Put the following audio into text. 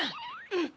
うん！